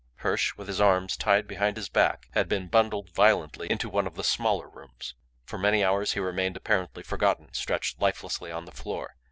Hirsch, with his arms tied behind his back, had been bundled violently into one of the smaller rooms. For many hours he remained apparently forgotten, stretched lifelessly on the floor.